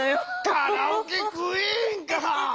カラオケクイーンか。